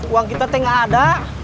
uang kita teh nggak ada